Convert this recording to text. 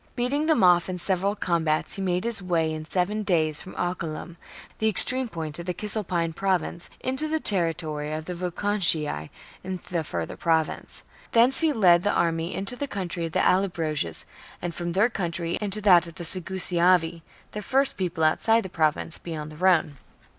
Beating them off in several combats, he made his way in seven days from Ocelum,^ the extreme point of the Cisalpine Province, into the territory of the Vocontii in the Further Province : thence he led the army into the country of the AUobroges, and from their country into that of the Segusiavi, the first people outside the Province, beyond the Rhone.